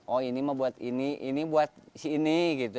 oh ini mah buat ini ini buat ini gitu